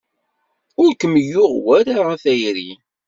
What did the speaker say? Ur kem-yuɣ wara a tayri?